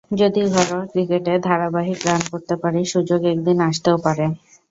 যদি ঘরোয়া ক্রিকেটে ধারাবাহিক রান করতে পারি, সুযোগ একদিন আসতেও পারে।